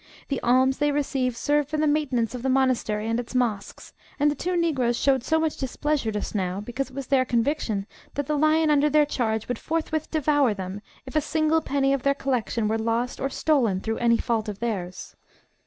The alms they receive serve for the maintenance of the monastery and its mosques; and the two Negroes showed so much displeasure just now because it was their conviction that the lion under their charge would forthwith devour them if a single penny of their collection were lost or stolen through any fault of theirs."